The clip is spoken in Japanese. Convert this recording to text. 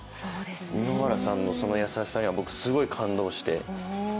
井ノ原さんのその優しさにはすごい感動して。